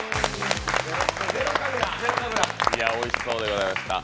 おいしそうでございました。